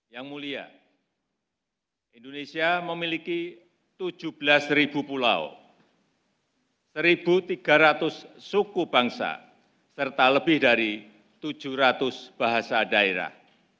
yang mulia indonesia memiliki tujuh belas pulau seribu tiga ratus suku bangsa serta lebih dari tujuh ratus bahasa daerah